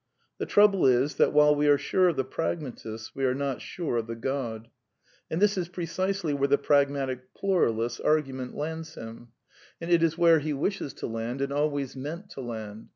The trouble is that, while we are sure of the pragmatists, we I are not sure of the God. And this is precisely where the I pragmatic pluralist's argument lands him ; and it is where PRAGMATISM AND HUMANISM 181 he wishes to land, and always meant to land.